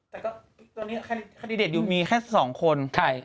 ตัวนี้คาดิเดตอยู่มีแค่สองคน